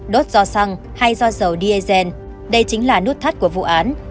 đốt do xăng hay do dầu diesel đây chính là nút thắt của vụ án